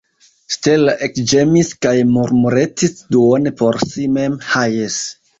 Stella ekĝemis kaj murmuretis duone por si mem: « Ha, jes! »